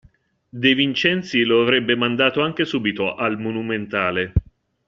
De Vincenzi lo avrebbe mandato anche subito al Monumentale.